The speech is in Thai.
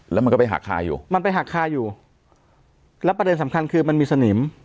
แล้วมันก็ไปหักคาอยู่มันไปหักคาอยู่แล้วประเด็นสำคัญคือมันมีสนิม